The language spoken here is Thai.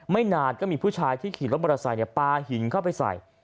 นานก็มีผู้ชายที่ขี่รถมอเตอร์ไซค์ปลาหินเข้าไปใส่